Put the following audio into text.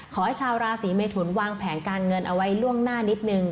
ชาวราศีเมทุนวางแผนการเงินเอาไว้ล่วงหน้านิดนึง